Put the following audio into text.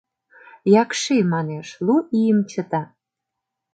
— Якши, — манеш, — лу ийым чыта.